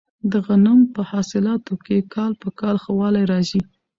د غنمو په حاصلاتو کې کال په کال ښه والی راځي.